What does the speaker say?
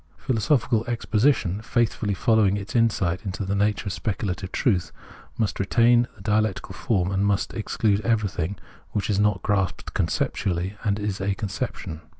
Philosophical exposition, faithfully following its insight into the nature of specu lative truth, must retain the dialectical form, and exclude everything which is not grasped conceptually and is a conception.